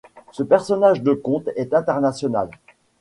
Ce personnage de conte est international.